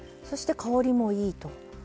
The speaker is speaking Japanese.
そして香りもいいと。